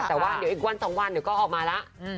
แต่ว่าเดี๋ยวอีกวันสองวันก็ออกมาแล้ว